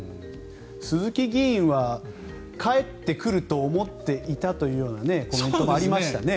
鈴木議員は帰ってくると思っていたというコメントもありましたね。